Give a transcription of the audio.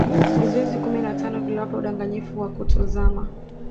vizuizi kumi na tano viliwapa udanganyifu wa kutozama